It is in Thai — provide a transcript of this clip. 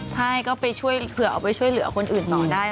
ใช่เผื่อเอาไปช่วยเหลือคนอื่นออกไปต่อได้